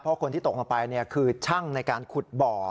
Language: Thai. เพราะคนที่ตกลงไปคือช่างในการขุดบ่อ